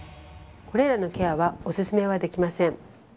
これらのケアはオススメはできません。